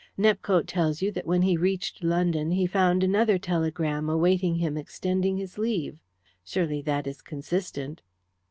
Nepcote tells you that when he reached London he found another telegram awaiting him extending his leave. Surely that is consistent?"